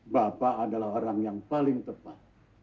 bapak adalah orang yang paling tepat